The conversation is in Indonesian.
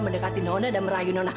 mendekati nona dan merayu nona